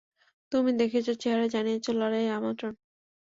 তুমি দেখিয়েছ চেহারা, জানিয়েছ লড়াইয়ের আমন্ত্রণ।